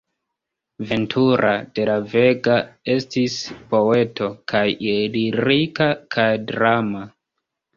Ventura de la Vega estis poeto kaj lirika kaj drama.